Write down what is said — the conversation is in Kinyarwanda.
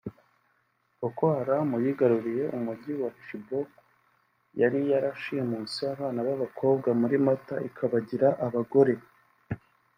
Boko Haram yigaruriye umujyi wa Chibok yari yarashimusemo abana b’abakobwa muri Mata ikabagira abagore